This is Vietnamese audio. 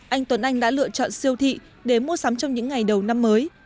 anh tuấn anh đã lựa chọn siêu thị để mua sắm trong những ngày đầu năm mới